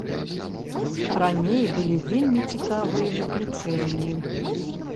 А раней былі вельмі цікавыя выключэнні.